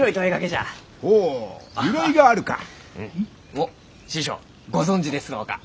おっ師匠ご存じですろうか？